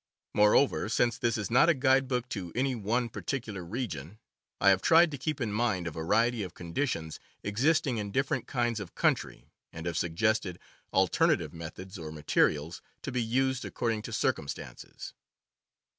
Moreover, since this is not a guidebook to any one particular region, I have tried to keep in mind a variety of conditions existing in different kinds of country, and have suggested alternative methods or materials, to be used according to circumstances.